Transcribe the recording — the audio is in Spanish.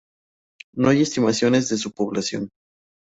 No hay estimaciones de su población.